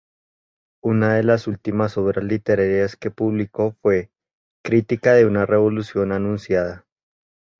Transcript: Una de las últimas obras literarias que publicó fue "Crítica de una revolución anunciada.